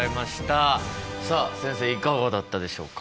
さあ先生いかがだったでしょうか？